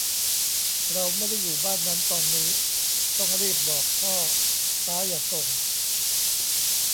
เราไม่ได้อยู่บ้านนั้นตอนนี้ ต้องรีบบอกพ่อ ป๊าอย่าส่ง